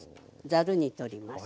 ざるにとります。